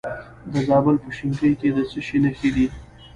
د زابل په شنکۍ کې د څه شي نښې دي؟